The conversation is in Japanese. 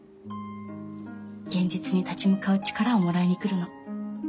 現実に立ち向かう力をもらいに来るの。